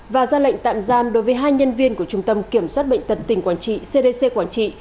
và ra lệnh tạm giam đối với hai nhân viên của trung tâm kiểm soát bệnh tật tỉnh quảng trị cdc quảng trị